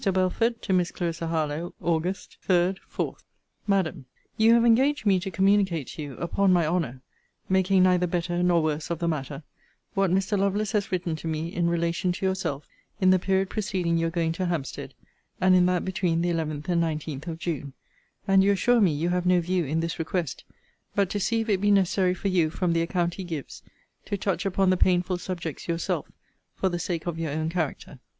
BELFORD, TO MISS CLARISSA HARLOWE AUG. 3, 4. MADAM, You have engaged me to communicate to you, upon my honour, (making neither better nor worse of the matter,) what Mr. Lovelace has written to me, in relation to yourself, in the period preceding your going to Hampstead, and in that between the 11th and 19th of June: and you assure me you have no view in this request, but to see if it be necessary for you, from the account he gives, to touch upon the painful subjects yourself, for the sake of your own character.